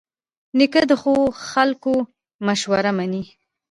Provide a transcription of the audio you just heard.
نیکه د ښو خلکو مشوره منې.